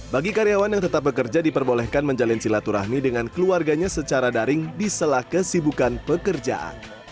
bagi karyawan yang tetap bekerja diperbolehkan menjalin silaturahmi dengan keluarganya secara daring di sela kesibukan pekerjaan